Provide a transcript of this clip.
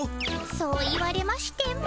そう言われましても。